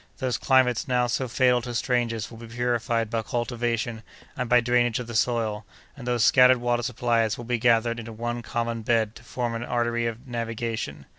Those climates now so fatal to strangers will be purified by cultivation and by drainage of the soil, and those scattered water supplies will be gathered into one common bed to form an artery of navigation.